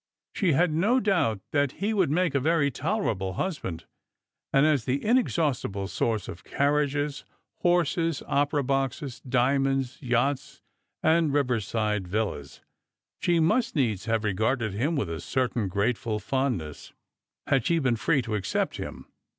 She had no doubt that he would have made a very tolerable husband; and as the inexhaustible source of carriages, horses, opera boxes, diamonds, yachts, and riverside villas, she must needs have regarded him with a certain grateful fondness, had she been free to accept him.